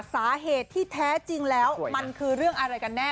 สาเหตุที่แท้จริงแล้วมันคือเรื่องอะไรกันแน่